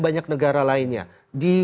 banyak negara lainnya di